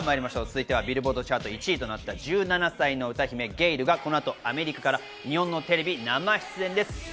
続いてはビルボードチャート１位となった１７歳の歌姫・ゲイルがこの後、アメリカから日本のテレビ生出演です。